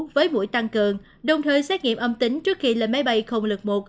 với mũi tăng cường đồng thời xét nghiệm âm tính trước khi lên máy bay không đợt một